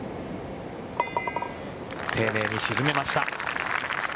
丁寧に沈めました。